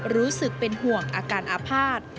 รู้สึกเป็นห่วงอาการอาภาษณ์